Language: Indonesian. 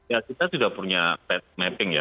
ya kita sudah punya pad mapping ya